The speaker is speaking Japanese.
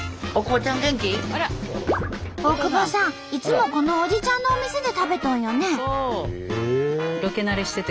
大久保さんいつもこのおじちゃんのお店で食べとんよね？